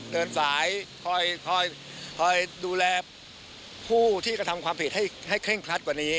เดินสายคอยดูแลผู้ที่กระทำความผิดให้เคร่งครัดกว่านี้